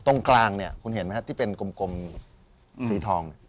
ตรงกลางเนี่ยคุณเห็นมั้ยครับที่เป็นกลมสีทอง